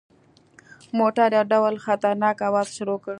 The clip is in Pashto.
موټر یو ډول خطرناک اواز شروع کړ.